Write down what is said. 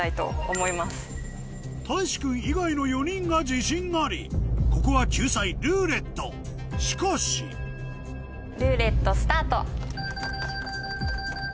たいし君以外の４人が自信ありここは救済「ルーレット」しかしルーレットスタート。